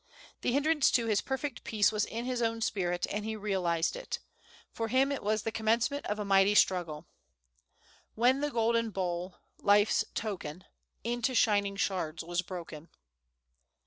The hinderance to his perfect peace was in his own spirit, and he realized it. It was for him the commencement of a mighty struggle, "When the golden bowl, life's token, Into shining shards was broken."